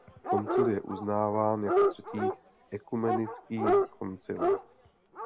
Koncil je uznáván jako třetí ekumenický koncil.